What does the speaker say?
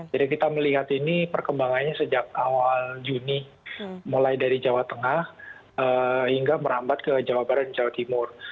jadi kita melihat ini perkembangannya sejak awal juni mulai dari jawa tengah hingga merambat ke jawa barat dan jawa timur